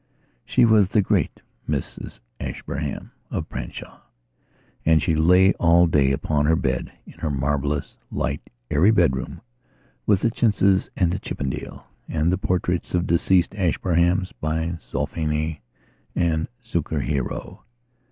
She was the great Mrs Ashburnham of Branshaw and she lay all day upon her bed in her marvellous, light, airy bedroom with the chintzes and the Chippendale and the portraits of deceased Ashburnhams by Zoffany and Zucchero.